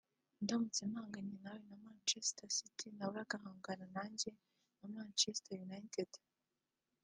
ndamutse mpanganye nawe na Manchester City nawe agahangana nanjye na Manchester United